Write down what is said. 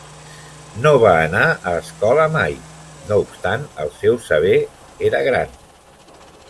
No va anar a escola mai, no obstant el seu saber era gran.